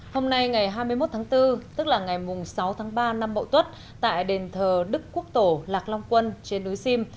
hôm nay ngày hai mươi một tháng bốn tức là ngày sáu tháng ba năm mậu tuất tại đền thờ đức quốc tổ lạc long quân trên núi sim